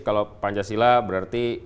kalau pancasila berarti